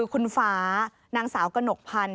คุณฟานางสาวกนกพันธุ์